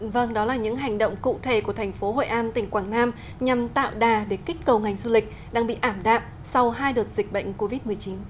vâng đó là những hành động cụ thể của thành phố hội an tỉnh quảng nam nhằm tạo đà để kích cầu ngành du lịch đang bị ảm đạm sau hai đợt dịch bệnh covid một mươi chín